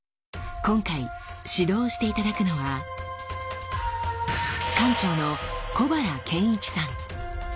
今回指導して頂くのは館長の小原憲一さん。